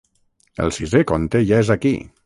El sisè conte ja és aquí!